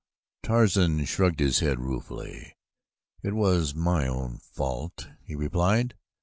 Tarzan shrugged his head ruefully. "It was my own fault," he replied.